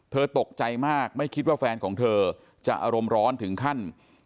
ตกใจมากไม่คิดว่าแฟนของเธอจะอารมณ์ร้อนถึงขั้น